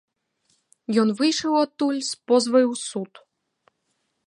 Ён выйшаў адтуль з позвай у суд.